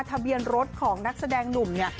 ทะเบียนรถของนักแสดงหนุ่มเนี่ย